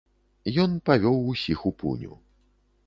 Ён павёў усіх у пуню.